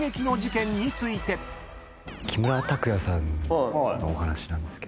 木村拓哉さんのお話なんですけど。